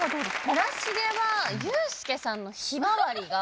村重は遊助さんの『ひまわり』が。